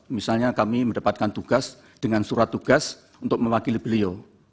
misalnya kami mendapatkan tugas dengan surat tugas untuk mewakili beliau